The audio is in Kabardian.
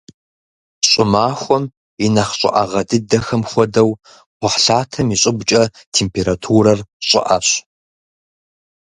ЩӀымахуэм и нэхъ щӀыӀэгъэ дыдэхэм хуэдэу кхъухьлъатэм и щӀыбкӀэ температурэр щӀыӀэщ.